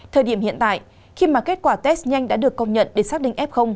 thời điểm hiện tại khi mà kết quả test nhanh đã được công nhận để xác định f